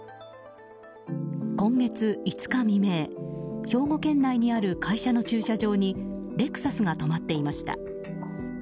今月５日未明兵庫県内にある会社の駐車場にレクサスが止まっていました。